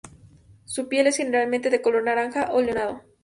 Su piel es generalmente de color naranja o leonado.